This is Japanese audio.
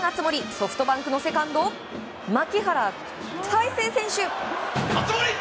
ソフトバンクのセカンド牧原大成選手！